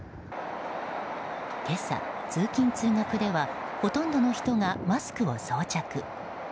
今朝、通勤・通学ではほとんどの人がマスクを装着。